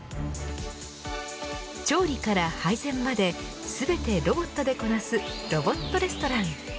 調理から配膳まで全てロボットでこなすロボットレストラン。